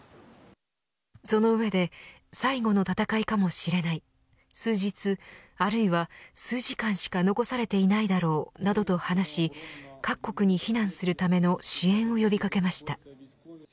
その上で最後の戦いかもしれない数日、あるいは数時間しか残されていないだろうなどと話し各国に避難するための支援を呼び掛けました。